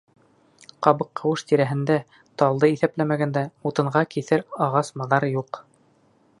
Ҡабыҡҡыуыш тирәһендә, талды иҫәпләмәгәндә, утынға киҫер ағас-маҙар юҡ.